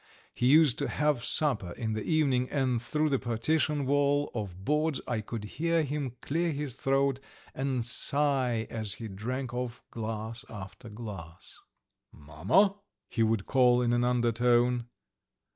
He used to have supper in the evening, and through the partition wall of boards I could hear him clear his throat and sigh as he drank off glass after glass. "Mamma," he would call in an undertone.